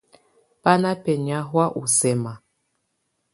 Bá ná bɛnɛ̀á hɔ̀á u sɛma.